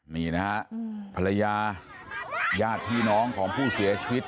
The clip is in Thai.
มีนะครับภรรยาญาติทีน้องของผู้เสียชีวิต